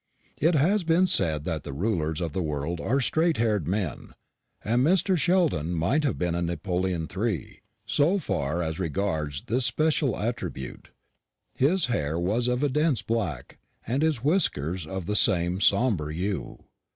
It has been said that the rulers of the world are straight haired men; and Mr. Sheldon might have been a Napoleon III. so far as regards this special attribute. His hair was of a dense black, and his whiskers of the same sombre hue.